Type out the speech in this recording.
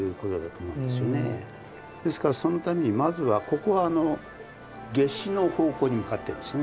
ですからそのためにまずはここは夏至の方向に向かってるんですよね